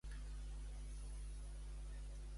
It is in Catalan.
Per què Matilde l'havia de cuidar?